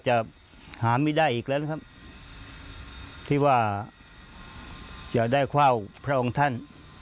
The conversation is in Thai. จะได้เข้าพระองค์ท่าน